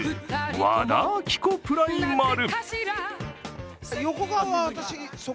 和田アキ子プライマル。